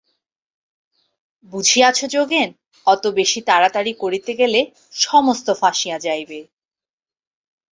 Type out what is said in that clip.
বুঝিয়াছ যোগেন, অত বেশি তাড়াতাড়ি করিতে গেলে সমস্ত ফাঁসিয়া যাইবে।